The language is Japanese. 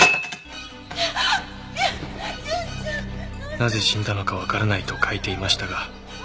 なぜ死んだのかわからないと書いていましたが。